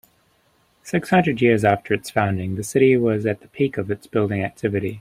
Six hundred years after its founding, the city was at the peak of its building activity.